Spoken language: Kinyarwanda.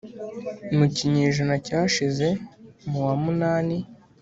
mu kinyejana cyashize mu wa munani